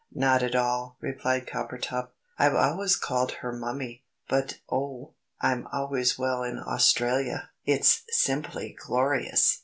"Not at all," replied Coppertop; "I've always called her Mummie. But oh, I'm always well in Australia it's simply glorious!